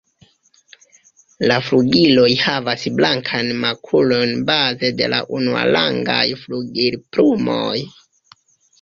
La flugiloj havas blankajn makulojn baze de la unuarangaj flugilplumoj.